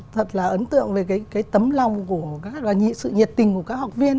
thật là ấn tượng về cái tấm lòng và sự nhiệt tình của các học viên